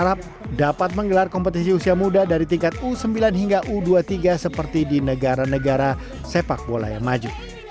dan juga dapat menggelar kompetisi usia muda dari tingkat u sembilan hingga u dua puluh tiga seperti di negara negara sepak bola yang maju